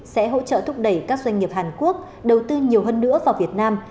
sẽ hỗ trợ thúc đẩy các doanh nghiệp hàn quốc đầu tư nhiều hơn nữa vào việt nam